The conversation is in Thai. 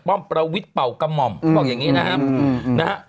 ป้อมประวิทเปากมมเค้าบอกอย่างเนี้ยนะครับ